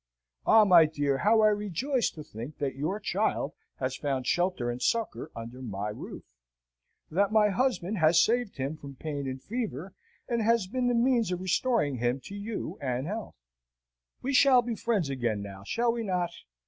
Ah, my dear, how I rejoice to think that your child has found shelter and succour under my roof! that my husband has saved him from pain and fever, and has been the means of restoring him to you and health! We shall be friends again now, shall we not?